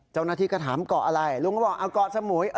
เจ้าหน้าที่ก็ถามเกาะอะไรลุงก็บอกเกาะสมุย